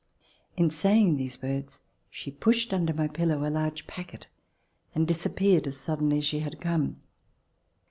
In saying these words, she pushed under my pillow a large packet and disappeared as sud denly as she had come.